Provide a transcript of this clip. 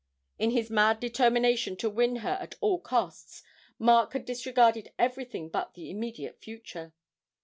In his mad determination to win her at all costs, Mark had disregarded everything but the immediate future.